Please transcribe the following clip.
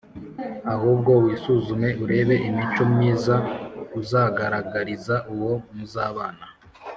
ahubwo wisuzume urebe imico myiza uzagaragariza uwo muzabana